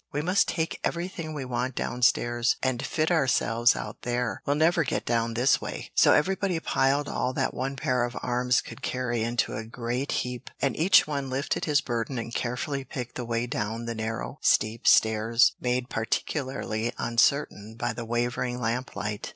"We must take everything we want downstairs, and fit ourselves out there; we'll never get down this way." So everybody piled all that one pair of arms could carry into a great heap, and each one lifted his burden and carefully picked the way down the narrow, steep stairs, made particularly uncertain by the wavering lamp light.